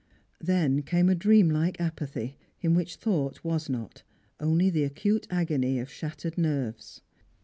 Then came a dream like apathy, in which thought was not, only the acute agony of shattered nerves.